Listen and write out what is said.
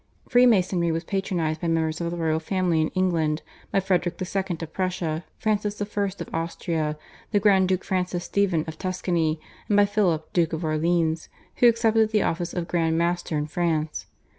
Freemasonry was patronised by members of the royal family in England, by Frederick II. of Prussia, Francis I. of Austria, the Grand Duke Francis Stephen of Tuscany, and by Philip Duke of Orleans, who accepted the office of grand master in France.